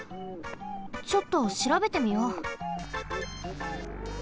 ちょっとしらべてみよう。